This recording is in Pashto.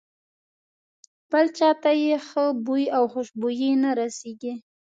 بل چاته یې ښه بوی او خوشبويي نه رسېږي.